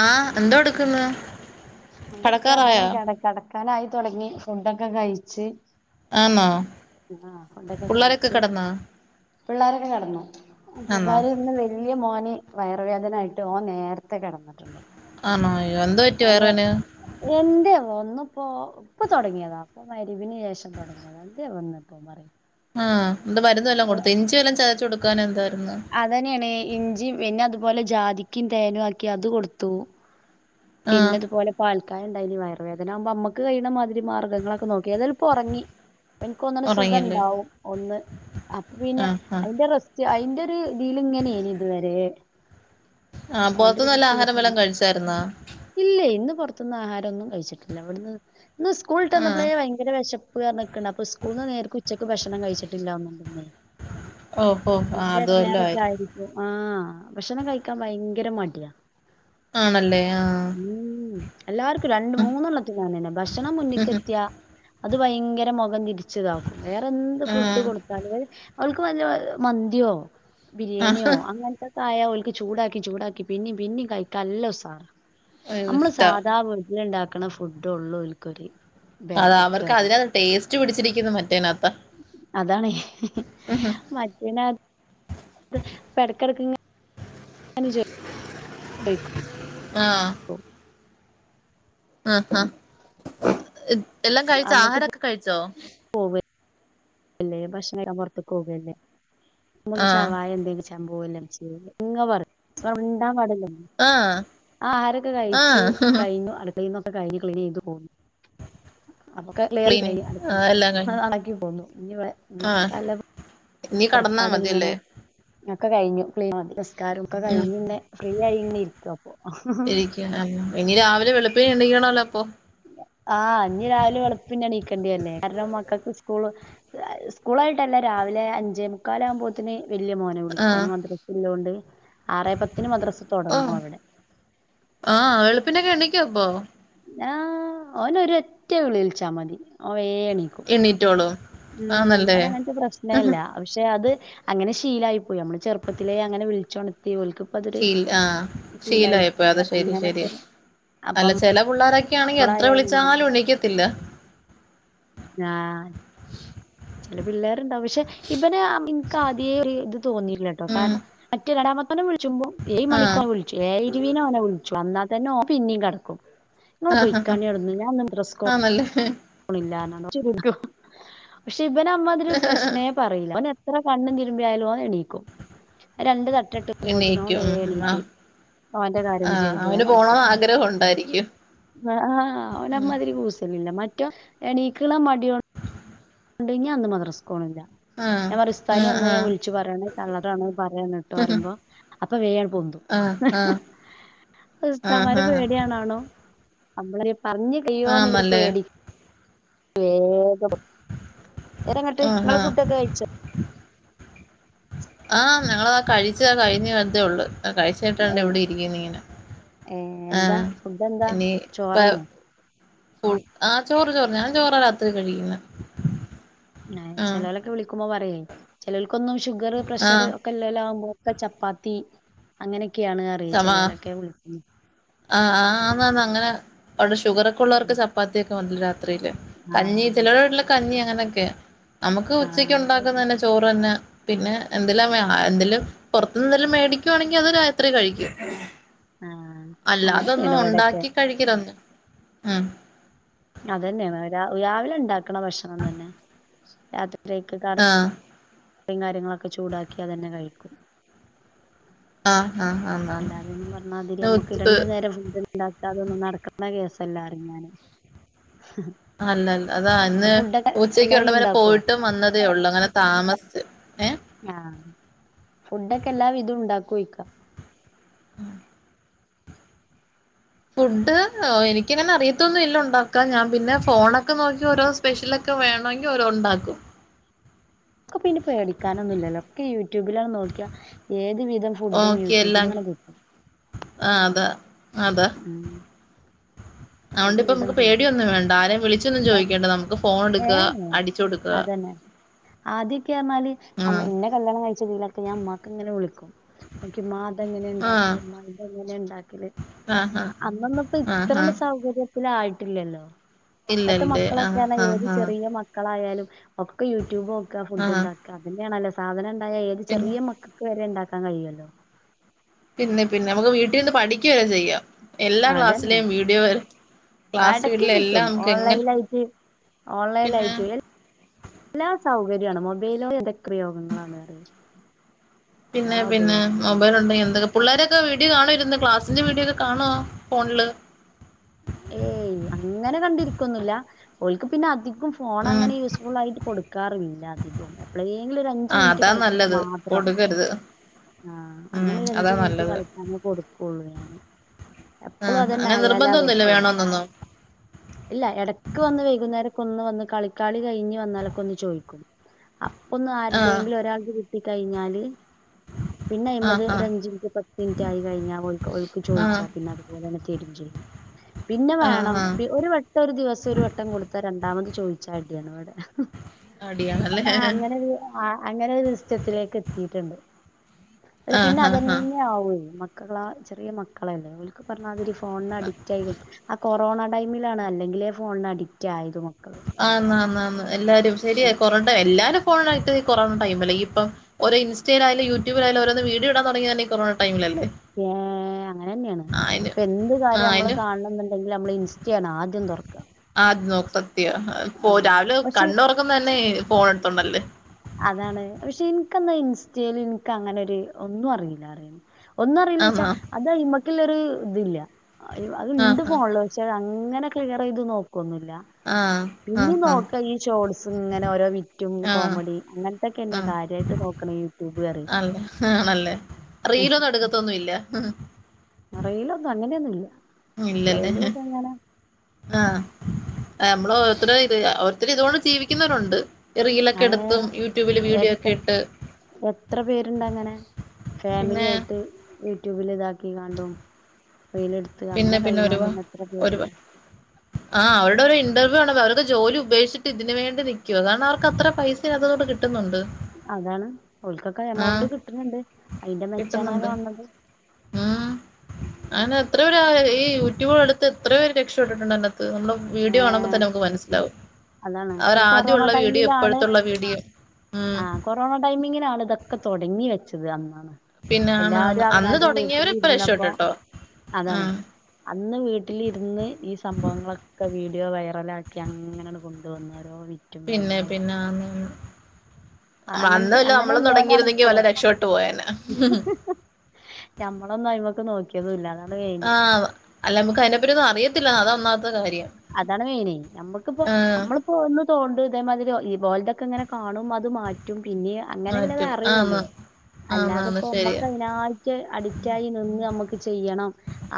ആഹ് എന്തോ എടുക്കന്ന് എന്തടുക്ക അതാണ് കട കെടക്കാനായി തുടങ്ങി ഫുഡൊക്കെ കഴിച്ച് ആന്നോ ആഹ് പിള്ളേരൊക്കെ കിടന്നാ പിള്ളോരൊക്കെ കടന്നു ആന്നോ പിള്ളേർ ഇന്ന് വ ലിയ മോന് വയറ് വേദന ആയിട്ട് ഓൻ നേരത്തെ കിടന്നിട്ടുണ്ട് ആണോ അയ്യോ എന്താ പറ്റി വയറ് വേദന എന്ത്യാവോ ന്നിപ്പോ ഇപ്പൊ തുടങ്ങിയതാ അപ്പൊ മഹ്റിബിനു ശേഷം തുടങ്ങിയ [unintelligible] പറ ആഹ് എന്ത മരുന്ന്‌ വല്ലോം കൊടുത്ത? ഇഞ്ചി വല്ലാം ചതച്ച് കൊടുക്കാൻ എന്തായിരുന്നു അതന്നെയാണ് ഇഞ്ചിയും പിന്നെ അതുപോലെ ജാതിക്കും തേനും ആക്കി അത് കൊടുത്തു ആ പിന്നതുപോലെ പാൽക്കായം ണ്ടായിന് വയറുവേദന ആവുമ്പോ മ്മക്ക് കയ്യണ മാതിരി മാർഗങ്ങളൊക്കെ നോക്കി എന്തായാലും ഇപ്പൊ ഉറങ്ങി എനിക്ക് തോന്നുണ് സുഖ ഉറങ്ങിയല്ലേ ഉണ്ടാവുംഒന്ന് അപ്പൊ ആ പിന്നെ ആ അതിന്റെ റസ് റ്റ്, അയിന്റെ ഒരു ഇതിൽ ഇങ്ങനെയ് നി ഇതുവരെ ആഹ് ഓന്റെ ഒരു പുറത്തന്ന് വല്ല ആഹാരം സിറ്റുവേഷൻ വെല്ലാം കഴിച്ചാരുന്നാ? ഇല്ലേ ഇന്ന് പുറത്തുനിന്ന് ആഹാരം ഒന്നും കഴിച്ചിട്ടില്ല ഇവിടുന്ന് ഇന്ന് സ്കൂളിട്ട് ആ വന്നപ്പഴേ ഭയ ങ്കര വിശപ്പ് പറഞ്ഞിക്കണ്ട് അപ്പൊ സ്കൂളിൽന്ന് നേരെക്ക് ഉച്ചക്ക് ഭക്ഷണം കഴിച്ചിട്ടില്ല തോന്നുന്നുണ്ട് ന്നെ ഓ ഓ ആ അയിന്റെ അത് വല്ലോം എടങ്ങാറൊക്കെ ആയിരിക്കും ആഹ് ഭക്ഷണം കഴിക്കാൻ ഭയങ്കര മടിയാ ആണല്ലേ ആഹ് ഉം എല്ലാവർക്കും രണ്ട മൂന്നെണ്ണത്തിനും അങ്ങനെന്നെ ഭക്ഷണം ഉം, ഉം. മുന്നിക്കെത്തിയാ അത് ഭയങ്കര മുഖം തിരിച്ചതാക്കും വേറെ എന്ത് ആ ഫുഡ് കൊടു താൽ ഓൾക്ക് വല്ല മന്തിയോ ആ ബിരിയാണിയോ അങ്ങനെ ത്തെക്കായ ഒൽക്ക് ചൂടാക്കി ചൂടാക്കി പിന്നീ പിന്നി കഴിക്കാൻ നല്ല ഉസാറാ അയ്യോ നമ്മള് ഇഷ്ടാ സാധാ വീട്ടിൽ ഇണ്ടാക്കണ ഫുഡ ഉള്ളൂ ഓൽക്കൊരു അതാ ബേക്ക്ക്ക് അവർക്ക് അതിനക ടേസ്റ്റ് പിടിച്ചിരിക്കുന്നു മറ്റേനകത്ത അതാണേ മറ്റേന ഇപ്പൊ ഇടക്കിടക്ക്ങ്ങ ങ്ങനെ ചൊ യ്‌ക്കും ആഹ് ഓ ആഹ് ആഹ് എല്ലാം കഴിച്ചോ? ആഹാരൊക്കെ കഴിച്ചോ? പോവല്ല ഭക്ഷണം കയ്ക്കാൻ പോർത്ക്ക് പോവല്ലേ നമ്മക് ആഹ് ഷവായ എന്തെങ്കിലും പോവല്ലെ ഇമചെ, ഇങ്ങ പറിം മുണ്ടാൻ പാടില്ല ആഹ് ആ ആഹാരൊക്കെ കഴിച്ചു ആഹ് കഴിഞ്ഞു അടുക്കളയിന്നൊക്കെ കഴിഞ്ഞു ക്ലീൻ ചെയ്തു പോന്നു അപ്പൊ ക്ലീനി ആഹ് എല്ലാം കഴിഞ്ഞു നടക്കി പോന്നു ഇനിവിടെ ആഹ് നിടക്കല്ല [inaudible] ഇനി കടന്നാ പുറപ്പാട് ഇങ്ങനെ മതിയല്ലേ ഒക്കെ കഴിഞ്ഞു ക്‌ളീൻ നിസ്കാരം ഒക്കെ ഉം കഴിഞ്ഞെ ഫ്രീ ആയിങ്ങനെ ഇരിക്കാ അപ്പൊ ഇരിക്ക ഇനി രാവിലെ വെളുപ്പിനെ എണീക്കണല്ലോ അപ്പൊ ആഹ് അഞ്ഞ് രാവിലെ വെളുപ്പിനെ നീക്കണ്ടില്ലേ കാരണം മക്കൾക്ക് സ്കൂള് സ്കൂള ആയിട്ടല്ല രാവിലെ അഞ്ചേ മുക്കാല ആകുമ്പോ ത്തിന് വലിയ മോനെ വിളിക്ക ആഹ് മദ്രസല്ലൊണ്ട് ആറേ പത്തിന് മദ്രസ തൊടങ്ങും ഓഹ് അവിടെ ആഹ് വെളുപ്പിനൊക്കെ എണീക്കോ അപ്പോ? ആ ഓനെ ഒരൊറ്റ വിളി വിളിച്ചാ മതി ഓൻ വേ എണീക്കും എണീറ്റോളോ? ഉം ഓന അങ്ങനത്തെ പ്രശ്നേല്ല പക്ഷെ അത് അങ്ങനെ ശീലായി പോയി നമ്മള് ചെറുപ്പത്തിലെ അങ്ങനെ വിളിചൊണത്തി ഓല്ക്ക് ശീൽ ആഹ് ശീലായിപ്പോയി അത് ശരി അങ്ങനെ ശരി പോലും അല്ല അപ്പം ചെല പുള്ളാരൊക്കെ ആണെങ്കിൽ എത്ര നമ്മളായാലും വിളിച്ചാലും എണീക്കത്തില്ല ആഹ് ചില പിള്ളേരുണ്ടാവും പക്ഷെ ഇവനെ എനക്ക് ആദ്യേ ഇത് തോന്നിയില്ല ട്ടോ ഉം കാരണം മറ്റൊരാടാമ അവനെ വിളിച്ചുമ്പോ ഏഴു ആഹ് മണിയൊക്കെ വിളിച്ചു ഏഴേ ഇരുവയ്ന് ഓനെ വിളിച്ചു ന്നാൽത്തന്നെ തന്നെ ഓൻ പിന്നേം കെടക്കും ങ്ങൾ പൊയ്കാണി ഓട്ന്ന് ഞാന്ന് മദ്രസ്സ ക്ക് ആണല്ലേ പക്ഷെ ഇവനമ്മാതിരി ഒരു പ്രശ്‌നെ പറയില്ല ഓനെത്ര കണ്ണും തിരുമ്പിയാലും എണീക്കും രണ്ട് തട്ട ഇട്ട് വരുമ്പോത്തിനോ ഓന് എണീക്കും വേ ഉം ഉം ആ എണീട്ട് ഓന്റെ ആ കാര്യങ്ങൾ ചെയ്ത് അവന് ഓന് മദ്രസ് പോണന്ന് പോയി ആഗ്രഹം ഉണ്ടായിരിക്കും ആ ആ ഓന് ഉം അമാതിരി കൂസലില്ല മറ്റോ എണീക്ക്ണ മടിയോ ണ്ട് ഞാൻ ഇന്ന് മദ്രസ്ക്ക് പോണില്ല ആ ഞാൻ പറയും ആ ഉസ്താദിനെ ഇന്ന് ആ ഞാൻ വിളിച്ചു പറയാണ് കള്ളറാണ് പറയാന്നിട്ടോ പറയുമോ അപ്പൊ വേആണ്ട് പൊന്തും ആ ആ ഉസ്താദുമാരെ ആഹാ പേടിയാണാണോ നമ്മള് പറഞ്ഞ് കയ്യോന്ന് ഒരു ആന്നല്ലേ പേടി വേഗം നേരങ്ങട്ട് ഇങ്ങള് ആഹാ ഫുഡൊക്കെ കഴിച്ചോ ആഹ് ഞങ്ങള്താ കഴിച്ച് കഴിഞ്ഞ് വറുതേ ഉള്ളു കഴിച്ച് ചിട്ടുണ്ട് ഏഹ് ഇവിടെ ഇരിക്കുന്നു ഇങ്ങനെ ഏഹ് എന്താ ആഹ് ഫുഡ് എന്താ ഇനിപ്പോ ചോറന്നെ ഫു ആഹ് ചോറ് ചോറ് ഞാൻ ചോറാ രാത്രി കഴിക്കുന്നേ ചേലോലൊക്കെ വിളിക്കുമ്പോ പറയേ ചിലോല്ക്കൊന്നും ഷുഗർ ആ പ്രഷർ ഒക്കെ ഇല്ലോലാവുമ്പോ ആകുമ്പോ ഒക്കെ ചപ്പാത്തി അങ്ങനെയൊക്കെയാണ് പറയും ചെലോലൊക്കെ വിളിക്കു ആ ആ എന്ന അങ്ങനെ അവിടെ ഷുഗർ ഒക്കെ ഉള്ളോർക്ക് ചപ്പാത്തിയൊക്കെ മതി രാത്രിയില് കഞ്ഞി ആഹ് ചിലരെ വീട്ടില് കഞ്ഞി അങ്ങനെയൊക്കെ നമുക്ക് ഉച്ചക്ക് ആഹ് ഉണ്ടാക്കുന്ന തന്നെ ചോ പിന്നെ പിന്നെ എന്തെലമ്മ എന്തെലും പുറത്ത്ന്ന് എന്തെലും മേടിക്കുവാണെങ്കിൽ അതൊരു ത്രി കഴിക്കും ആഹ് അല്ലാതൊന്നും അങ്ങനെന്നെയാണ് ഇവിടെക്കെ ഉണ്ടാക്കി കഴിക്കണണ്ടു ഉം അതന്നെ രാവിലെ ഉണ്ടാക്ക്ണ ഭക്ഷണം തന്നെ രാത്രിയിലേക്ക് ആഹ് അത്രയും കാര്യങ്ങളൊക്കെ ചൂടാക്കിയാൽ തന്നെ കഴിക്കും ആഹ് ആഹ് ആന്നാന്ന് അല്ലാതൊന്നും പറഞ്ഞാതിരി നമ്മുക്ക് രണ്ടു നേരം ഫുഡ് ഉണ്ടാക്ക അതൊന്നും നടക്ക്ണ കേസല്ല പറയും ഞാന് അല്ലല്ല അതാ അന്ന് ഫുഡൊക്കെ ഉച്ചക്ക് ഇവിടന്ന് എല്ലാവിധം വരെ ഉണ്ടാക്കുവോ പോയിട്ടും വന്നതേ ഉള്ളു അങ്ങനെ താമസിച്ച് ഏ ആഹ് ഫുഡൊക്കെ എല്ലാം വിധം ഉണ്ടാക്കോ ചോയിക്ക ആഹ് ഫുഡ് എനിക്കിങ്ങനെ അറിയത്തൊന്നും ഇല്ല ഉണ്ടാക്കാൻ ഞാൻ പിന്നെ ഫോണൊക്കെ നോക്കി ഓരോ സ്പെഷ്യലൊക്കെ വേണമെങ്കി ഓരോന്ന് ഉണ്ടാക്കും ഒക്കെപിന്നെ പേടിക്കാനൊന്നുല്ലല്ലോ ഒക്കെ യൂട്യൂബിലാ നോക്കിയ ഏത് വിധം ഫുഡും ഓക്കെ എല്ലാം യൂട്യൂബ്ന്നാണ് കിട്ടും [unintelligible] ആഹ് അതാ അതാ ഉം അതുകൊണ്ട് ഏത് ഇപ്പം വിധം നമുക്ക് ഫുഡും പേടിയൊന്നും വേണ്ട ആരെയും വിളിച്ചൊന്നും ചോയിക്കണ്ട നമുക്ക് ഫോൺ എടുക്ക ഏഹ് അടിച്ചു കൊടുക്ക ആദ്യക്കെ റന്നാല് ഉം ഇന്നെ കല്യാണം കഴിച്ചതിലൊക്കെ ഞാഉമ്മാക്ക് ഇങ്ങനെ വിളിക്കും നോക്കി ഇമ്മാ ഇതെങ്ങനെ ആഹ് ഇണ്ടാക്കണ്ടേ ഇമ്മാ എങ്ങനെയാ ഇണ്ടാക്കല് ആഹ് അന്നൊന്ന് പ്പോ ആഹ് ആഹ് ഇത്രോണ്ട് സൗകര്യത്തിലായിട്ടില്ലല്ലോ ഇപ്പത്തെ ഇല്ലല്ലേ ആഹ് മക്കളൊക്കെയാണ് ആഹ് ഏത് ആഹ് ചെറിയ മക്ക ക്കളായാലും ഒക്കെ യൂട്യൂബ് നോക്ക ആഹ് ഫുഡ്ണ്ടാക്ക അതന്നെയാണല്ലോ സാധനം ഇണ്ടായ ഏത് പിന്നെ ചെറിയ മക്ക ക്ക് വരെ ഇണ്ടാക്കാൻ കഴിയല്ലോ പിന്നെ പിന്നെ നമുക്ക് വീട്ടിനിന്ന് പഠിക്കവരെ ചെയ്യാം എല്ലാ ക്ലാസ്സിലെയും വീഡിയോ വരെ ക്ലാസ് എടക്കി വീട്ടിലെ കിട്ടും എല്ലാം നമുക്ക് എങ്ങനെ ഓൺലൈലായിട്ട് പിന്നെ ഓൺലൈലായിട്ട് എല്ലാം സൗകര്യാണ് മൊബൈലോണ്ട് എന്തക്കെ ഉയോഗങ്ങളാണ് അറിയ പിന്നെ പിന്നെ മൊബൈലൊണ്ടെങ്കി എന്തൊക്കെ പുള്ളേരൊക്കെ വീഡിയോ കാണോ ഇരുന്ന് ക്ലാസ്സിൻ്റെ വീഡിയോക്കെ കാണോ ഫോണില് ഏയ് അങ്ങനെ കണ്ടിരിക്കൊന്നുല്ല ഓൾക്ക് പിന്നെ അധി കും ഉം ഫോണങ്ങനെ യൂസ്ഫുൾ ആയിട്ട് കൊടുക്കാറില്ല അധികും എപ്പളേങ്കിലും ഒരു അഞ്ചു ആ മിനിറ്റ് അതാ കളിക്കാൻ നല്ലത് മാത്രാ കൊടുക്കരുത് ആഹ് ഉം അങ്ങനെ ഒരു അതാ അഞ്ചു മിനിറ്റ് നല്ലത് കളിക്കാനേ കൊടുക്കൊള്ളൂ ഞാന് ആ എപ്പളും അതന്നെ അങ്ങനെ ആയാല് നിർബന്ധമൊന്നുമില്ല അവര്ക്കെ വേണോന്നൊന്നും ഇല്ല എടക്ക് വന്ന് വെയ്കുന്നേരൊക്കൊന്ന് വന്ന് കളി കളി കഴിഞ്ഞ് വന്നാലൊക്കെ ഒന്ന് ചോയിക്കും അപ്പൊന്ന് ആ ആര്തെങ്കിലും ഒരാൾക്ക് കിട്ടി കഴിഞ്ഞാല് പിന്നെ ആ അയിമത് ആ ഒരു അഞ്ച് മിനിറ്റ് പത്ത് മിനിറ്റ് ആയി കഴിഞ്ഞ ഓൾക്ക് ഓൾക്ക് ആ ചോയിച്ചാ പിന്നെ ഓരയിനാത്ത് [unintelligible] പിന്നെ ആ വേണം ആ പി ഒരു വട്ടം ഒരു ദിവസം ഒരു വട്ടം കൊടുത്താ രണ്ടാമത് ചോയിച്ച അടിയാണ് ഇവടെ അടിയാണല്ലേ ആഹ് അങ്ങനൊരു ആഹ് അങ്ങനൊരു [unintelligible] എത്തിയിട്ടുണ്ട് അല്ല ആ പിന്നെ ആ ആ അതന്നെയാവേ മക്കളാ ചെറിയ മക്കളല്ലേ ഓര്ക്ക് പറഞ്ഞാതിരി ഫോണിന് അഡിക്റ്റ് ആയി ആ കൊറോണ ടൈമിലാണ് അല്ലെങ്കിലേ ഫോണിന് അഡിക്റ്റ് ആയത് മക്കള് ആന്നാന്നാന്നു എല്ലാരും ശരിയാ കോറോ എല്ലാരും ഫോണായിട്ട് കൊറോണ ടൈം അല്ലെങ്കി ഇപ്പം ഓരോ ഇൻസ്റ്റയിലായാലും യൂടൂബിലായാലും ഓരോന്ന് വീഡിയോ ഇടാ തൊടങ്ങിയതന്നെ ഈ കൊറോണ ടൈമിലല്ലേ ഏഹ് അങ്ങനന്നെയാണ് ആ അയിന് ഇപ്പൊ എന്ത് ആ കാര്യം മ്മള് അയിന് കാണണം എന്നുണ്ടെങ്കിൽ മ്മള് ഇൻസ്റ്റയാണ് ആദ്യം തുറക്കുക ആഹ് അത് നോക്ക് സത്യ ഫോ രാവിലെ പക്ഷെ കണ്ണൊറക്കുന്ന തന്നെ ഫോൺ എടുത്തോണ്ടല്ലേ അതാണ് പക്ഷെ ഇനിക്കന്താ ഇൻസ്റ്റേല് എനിക്കങ്ങനെ ഒരു ഒന്നും അറിയില്ല അറിയ ഒന്നും അറിയില്ലച്ചാ ആന്നോ അത് അയിമ്മക്കിള്ളൊരു ഇതില്ല അത് ഇണ്ട് ആഹ് ഫോണില് പക്ഷെ അങ്ങനെ ക്ലിയർ ചെയ്ത് നോക്കൊന്നുല്ല ആഹ് ആഹ് പിന്നീം ആഹ് നോക്ക ഈ ഷോട്സിങ്ങനെ ഓരോ വിറ്റും ആഹ് കോമഡി അങ്ങനത്തൊക്കെന്നെ ആഹ് കാര്യായിട്ട് നോക്കണ യൂട്യൂബ് പറയും ആണല്ലേ ആണല്ലേ റീലൊന്നും എടു ക്കത്തൊന്നുല്ല റീലൊന്നും അങ്ങനെയൊന്നും ഇല്ല ഇല്ലല്ലേ ആഹ നമ്മള് ഓരുത്തടെ ഇത് ഓരുത്തർ ഇതുകൊണ്ട് ജീവിക്കുന്നരൊണ്ട് റീലൊക്കെ ഏ എടുത്തും യൂട്യൂബിലു വീഡിയോ ഒക്കെ എത്ര ഇട്ട് എത്ര പേരുണ്ട് അങ്ങനെ ഫാമിലി പിന്നെ ആയിട്ട് യൂട്യൂബിലിതാക്കിങ്ങാണ്ടും റീലെടുത്ത് പിന്നെ അങ്ങനെ പിന്നെ ഒരുപാ കഴിയണോലന്നേ എത്ര ഒരുപാ പേരുണ്ട് ആഹ് അവരുടെ ഒരു ഇന്റർവ്യൂ കാണണം അവരൊക്കെ ജോലി ഉപേക്ഷിച്ചിട്ട് ഇതിനുവേണ്ടി നിക്കുവാ അതാണവർക്കത്ര പൈസ [unintelligible] അതുകൊണ്ട് കിട്ടുന്നുണ്ട് അതാണ് ഓൾക്കൊക്കെ ആഹ് എമൗണ്ട് കിട്ടുന്നുണ്ട് അതിന്റെ മെച്ചാണ് ആ കാണ് ണത് ആഹ് ആണ എത്രയോപേരാ ഈ യൂട്യൂബൾ എടുത്ത് ത്രയോ പേര് രക്ഷപ്പെട്ടിട്ടുണ്ട് അതിനത്ത് നമ്മള് വീഡിയോ ഏ കാണുമ്പോ തന്നെ നമുക്ക് മനസ്സിലാവും അതാണ് അവർ ഈ ആദ്യം ഉള്ള വീഡിയോ ഇപ്പഴത്തുള്ള വീഡിയോ ഉം ആഹ് കൊറോണ ടൈമിങ്ങിനാണ് ഇതൊക്കെ തൊടങ്ങി വെച്ചത് അന്നാണ് പിന്നെ ആണ് ആണ് എല്ലരും അന്ന് അവനാന്റെ വീട്ടില് തുടങ്ങിയവര് ഇപ്പൊ ഇരുന്നപ്പോ രക്ഷപ്പെട്ടോ അതാണ് ഉം അന്ന് വീട്ടിലിരുന്ന് ഈ സംഭവങ്ങളൊക് ക്കെ വീഡിയോ വൈറലാക്കി അങ്ങനെണ് കൊണ്ടോന്ന രോ പിന്നെ പിന്നെ അന്ന ആഹ് അങ്ങനതി അങ്ങനെ ഇല്ലോണ്ടാണ് വല്ല ഇപ്പളും രക്ഷപ്പെട്ടു പോയേനെ ഞമ്മളൊന്നും അയിമക്ക് നോക്കി ക്കിയെതുല്ല അതാടുവെ ആഹ് അല്ല മുക്ക് അയിനെപ്പറ്റിയൊന്നും അറിയത്തില്ല അത ഒന്നാമത്തെ കാര്യം അതാണ് മെയിനി നമ്മുക്കിപ്പോ ആ നമ്മള് ഒന്ന് തോണ്ടു ഇതേമാതിരി ഈ ഒലതൊഒക്കെ ഇങ്ങനെ കാണും അത് മാറ്റും പിന്നെ അങ്ങനെയല്ലതെ മാറ്റും ആന്ന് അറിയുള്ളൂ അല്ലാതെ ആന്നാന്ന് ഇപ്പോ ശരിയാ മ്മക്ക് അയിനായിറ്റ് അഡിക്റ്റായി നിന്ന് നമ്മുക്ക് ചെയ്യണം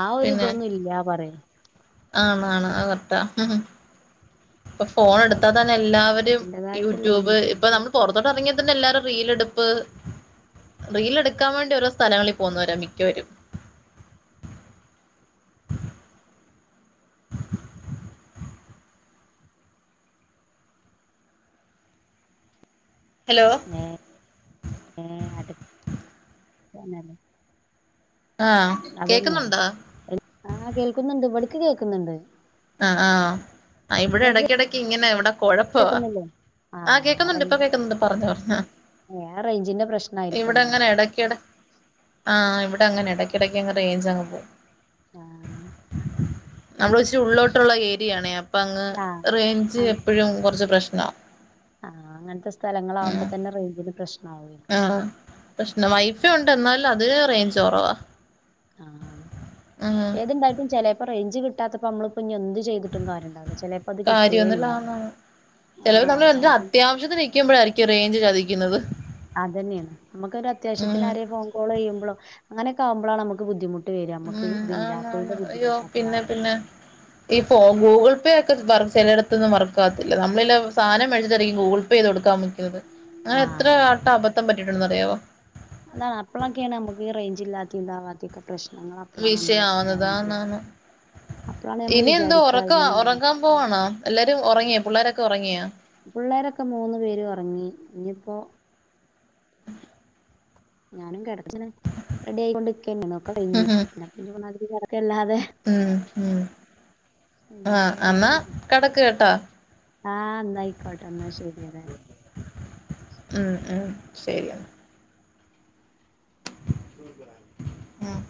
ആ ഒരു പിന്നെ ഇതൊന്നും ഇല്ല പറയാ ആണാണ് അകരറ്റാ ഉ ഇപ്പൊ ഫോൺ എടുത്താ തന്നെ എല്ലാവരും അയ്ന്റേതായിട്ടുള്ളതൊന്നും യൂട്യൂബ് ഇല്ല ഇപ്പൊ നമ്മൾ പുൊറത്തോട്ട് ഇറങ്ങിയ തന്നെ എല്ലാരും റീലടുപ്പ് റീൽ എടുക്കാൻ വേണ്ടി ഓരോ സ്ഥലങ്ങളി പോന്നവരാ മിക്കവരും ഹലോ [unintelligible] ആഹ് അതന്നെയ കേക്കുന്നുണ്ടോ ആഹ് കേൾക്കുന്നുണ്ട് ഇവടക്ക് കേൾക്കുന്നുണ്ട് ആഹ് ആഹ് അഹ് ഇവിടെ ഇങ്ങക്ക് ഇടക്ക ഇടക്ക് ഇങ്ങനെ ഇവിടെ കുഴപ്പവാ കേൾക്കുന്നില്ലേ ആ ആഹ് കേക്കുന്നുണ്ട് റേ ഇപ്പൊ കേക്കുന്നുണ്ട് പറഞ്ഞേ ആഹ് ആ റേഞ്ചിന്റെ പ്രശ്നായിരിക്കും എന്നാല് ഇവിടെങ്ങന എടക്കടെ ആഹ് ഇവിടെങ്ങന എടക്കിടയ്ക്ക് അങ്ങ് റേഞ്ച് അങ്ങ് പോവും ആ നമ്മള ഇച്ചിരി ഉള്ളിലോട്ടുള്ള ഏരിയയാണേ അപ്പ അങ്ങ് ആ റേഞ്ച് എപ്പഴും അങ്ങ് കെറച്ച് പ്രശ്നാ ആഹ് അങ്ങൻത്തെ സ്ഥലങ്ങളവകുമ്പതന്നെ റേഞ്ചിന് പ്രശ്നാവു ആഹ് പ്രശ്നവൈഫൈണ്ട് എന്നാലും അതിന് റേഞ്ച്റവാ ഏതുണ്ടായിട്ടും ചെലേപ്പോ റേഞ്ച് കിട്ടാത്തപ്പോ നമ്മള്പ്പഞ് എന്ത് ചെയത് ട്ടും കാര്യണ്ടാവില്ല ചെലപ്പോ അത് കിട്ടേല്ല കാര്യമൊന്നുമില്ലാന്ന് ആഹ് ജാതി ക്കുമ്പോഴായിരിക്കും റേഞ്ച് ചതിക്കുന്നത് അതന്നെയാണ് ഉം നമുക്കെരത്യാശ്യത്തിന്നരെ ഫോ കോള് ചെയ്യുമ്പളോ അങ്ങനെയൊക്കെ ആമ്പോളാണ് നമുക്ക് ബുദ്ധിമുട്ട് ശരി നമുക്ക് ഉം ആന്ന് ഇതില്ലാത്തതിന്റെ ആന്ന് അയ്യോ പിന്നെ ബുദ്ധിമുട്ടപ്പളാറിയ പിന്നെ ഈ ഫോ ഗൂഗിൾപേക്കെ വർ ചെലയിടത്തന്ന് വർക്കാകത്തില്ല നമ്മളിലസാനം മേടിച്ചിട്ടാരിക്കും ഗൂഗിൾപേ ചെയ്ത്ടുക്കാ അങ്ങനെ ആ എത്രആട്ടം അബദ്ധപറ്റിട്ടെണ്ടന്നറിയാവോ അതാണ് അപ്പളൊക്കെയാണ് അമ്മക്ക് ഇ റേഞ്ച് ഇല്ലാതിം താവാത്തി പ്രശനങ്ങള വിശആവുന്നത് താ നാണ് അപ്പളാണ് നമ്മള് ഇനി എന്തോ വിചാരിക്കുക ഒറക്ക ഇങ്ങനെ തന്നെ. ഒറങ്ങാൻപോണാ എല്ലാരും ഒറങ്ങിയാ പുള്ളോരൊക്കെ ഒറങ്ങിയാ പിള്ളേരൊക്കെ മൂന്നുപേരു ഒറങ്ങി ഇനിയിപ്പോ ഞാനും കിടക്കെ റെഡി ആയികൊണ്ട് ഇക്കന്നക്കെിഞ്ഞു ഉം [unintelligible] അല്ലാതെ ഉം ഉം ഇന്നൊക്കെ ആഹ് ന്നാ പറഞ്ഞമാതിരി കെടക്ക്ട്ടാ ആഹ് ന്നായിക്കോട്ടെ എന്നാ ശരിയതെ ഉം ഉം ശരിന്നാ ആഹ്